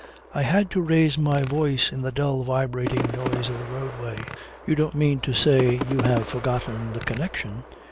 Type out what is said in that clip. I had to raise my voice in the dull vibrating noise of the roadway. "You don't mean to say you have forgotten the connection?"